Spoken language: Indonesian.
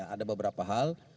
ada beberapa hal